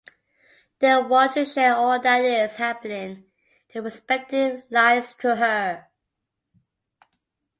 They want to share all that is happening in their respective lives to her.